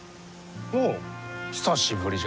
おう久しぶりじゃのう。